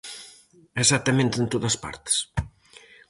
Exactamente en todas partes.